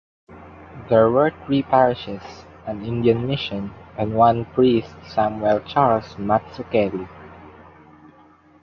There were three parishes, an Indian mission, and one priest Samuel Charles Mazzuchelli.